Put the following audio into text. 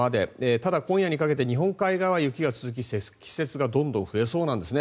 ただ、今夜にかけて日本海側は雪が続き、積雪がどんどん増えそうなんです。